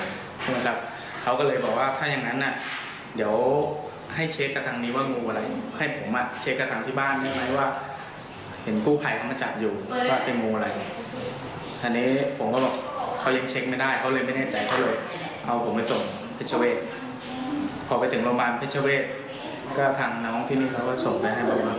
ใช่มั้ยครับเขาก็เลยบอกว่าถ้าอย่างนั้นน่ะเดี๋ยวให้เช็คกับทางนี้ว่างูอะไร